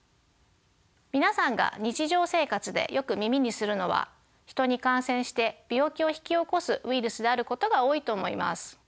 皆さんが日常生活でよく耳にするのはヒトに感染して病気を引き起こすウイルスであることが多いと思います。